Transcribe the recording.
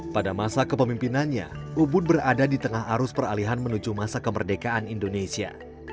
pada masa kepemimpinannya ubud berada di tengah arus peralihan menuju masa kemerdekaan indonesia